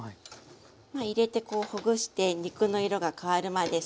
入れてこうほぐして肉の色が変わるまでサッと煮ますね。